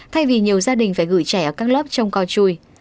thay vì nhiều gia đình phải gửi trẻ ở các lớp trong co chui